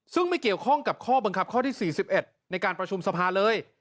ซึ่งไม่เกี่ยวข้องกับข้อบังคับข้อที่๔๑ในการประชุมสภาเลย